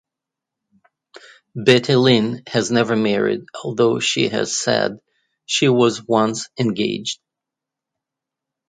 Betty Lynn has never married, although she has said she was once engaged.